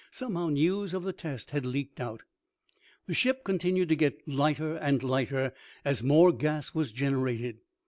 Somehow, news of the test had leaked out. The ship continued to get lighter and lighter as more gas was generated.